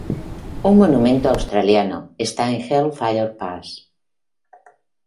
Un monumento australiano está en Hellfire Pass.